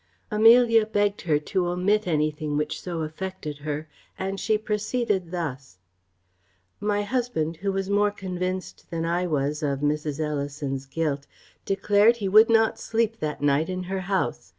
Amelia begged her to omit anything which so affected her; and she proceeded thus: "My husband, who was more convinced than I was of Mrs. Ellison's guilt, declared he would not sleep that night in her house.